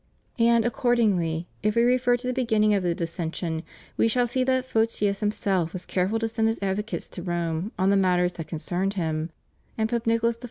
And, accordingly, if we refer to the beginning of the dissension, we shall see that Photius himself was careful to send his advocates to Rome on the matters that con cerned him; and Pope Nicholas I.